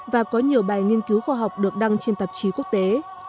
và có nhiều bài nghiên cứu khoa học được đăng trên tạp chí quốc tế